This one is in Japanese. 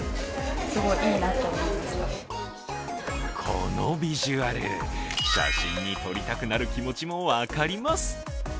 このビジュアル、写真に撮りたくなる気持ちも分かります。